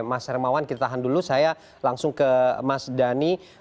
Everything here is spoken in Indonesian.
mas hermawan kita tahan dulu saya langsung ke mas dhani